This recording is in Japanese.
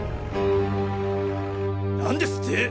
何ですってぇ！？